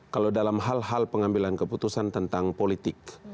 kalau dalam hal hal pengambilan keputusan tentang politik